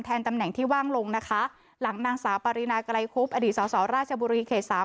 ตำแหน่งที่ว่างลงนะคะหลังนางสาวปรินาไกรคุบอดีตสอสอราชบุรีเขตสาม